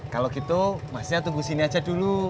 kalau gitu masnya tunggu sini aja dulu